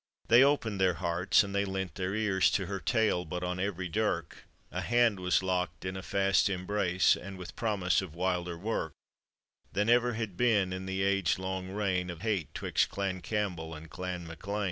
" They opened their hearts, and they lent their ears To her tale, but on every dirk A hand was locked in a fast embrace And with promise of wilder work Than ever had been in the age long reign Of hate 'twixt Clan Campbell and Clan Mac Lean.